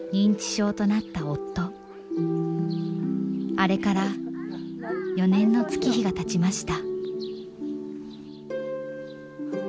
あれから４年の月日がたちました。